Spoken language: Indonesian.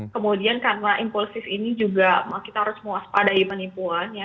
kemudian karena impulsif ini juga kita harus mewaspadai penipuan